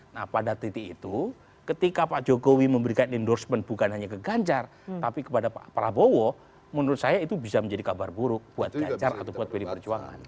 nah pada titik itu ketika pak jokowi memberikan endorsement bukan hanya ke ganjar tapi kepada pak prabowo menurut saya itu bisa menjadi kabar buruk buat ganjar atau buat pdi perjuangan